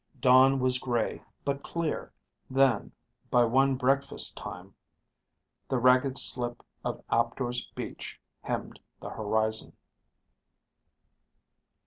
Dawn was gray, but clear; then, by one breakfast time the ragged slip of Aptor's beach hemmed the horizon.